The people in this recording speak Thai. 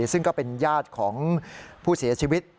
ซึ่งก็เป็นญาติของผู้เสียชีวิต